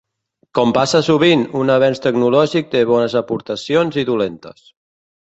Com passa sovint, un avenç tecnològic té bones aportacions i dolentes.